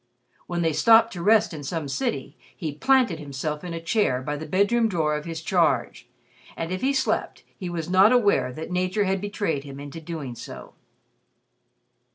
When they stopped to rest in some city, he planted himself in a chair by the bedroom door of his charge, and if he slept he was not aware that nature had betrayed him into doing so.